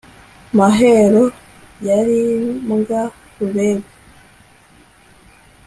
Mahero yari mbwa rubebe